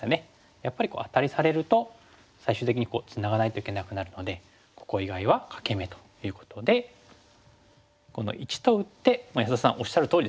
やっぱりアタリされると最終的にツナがないといけなくなるのでここ以外は欠け眼ということでこの①と打って安田さんおっしゃるとおりですね。